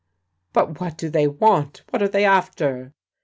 "But what do they want? What are they after?"